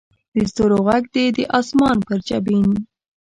د ستورو ږغ دې د اسمان پر جبین